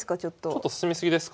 ちょっと進み過ぎですかね。